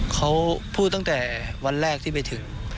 เขาพูดตั้งแต่วันแรกที่ไปถึง